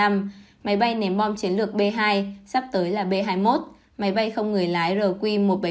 máy bay ném bom chiến lược b hai sắp tới là b hai mươi một máy bay không người lái rq một trăm bảy mươi